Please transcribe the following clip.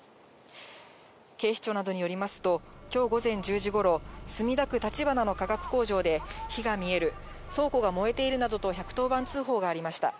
警視庁などによりますと、きょう午前１０時ごろ、墨田区立花の化学工場で、火が見える、倉庫が燃えているなどと１１０番通報がありました。